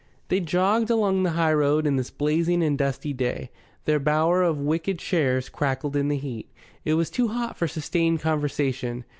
They jogged along the highroad on this blazing and dusty day. Their bower of wicker chairs crackled in the heat. It was too hot for sustained conversation.